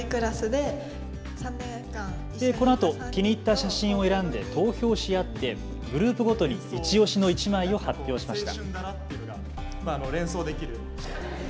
このあと気に入った写真を選んで投票し合ってグループごとにいちオシの１枚を発表しました。